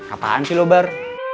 apaan sih lo bar